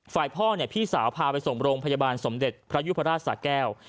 ฝ่ายพ่อพี่สาวพาไปส่งโรงพยาบาลสมเด็จพระยุพราชสาแก้ว